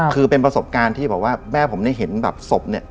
คือเป็นประสบการณ์ที่บอกว่าแม่ผมได้เห็นแบบศพเนี่ย